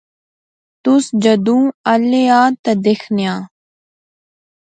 تس جذوں الے آ تے دیخنے آں